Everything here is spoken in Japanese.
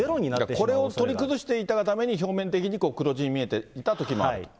これを取り崩していたがために、表面的に黒字に見えていたときもあると。